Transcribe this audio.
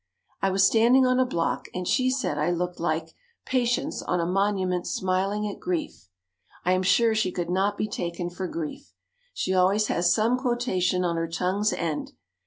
I was standing on a block and she said I looked like "Patience on a monument smiling at Grief." I am sure she could not be taken for "Grief." She always has some quotation on her tongue's end.